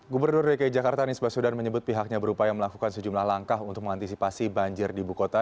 gubernur dki jakarta nisbah sudan menyebut pihaknya berupaya melakukan sejumlah langkah untuk mengantisipasi banjir di ibu kota